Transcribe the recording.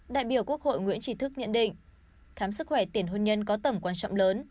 đại biểu quốc hội nguyễn trí thức nhận định khám sức khỏe tiền hôn nhân có tầm quan trọng lớn